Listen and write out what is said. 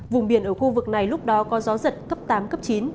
vùng biển ở khu vực này lúc đó có gió giật cấp tám cấp chín